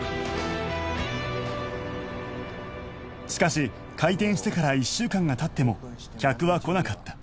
しかし開店してから１週間が経っても客は来なかった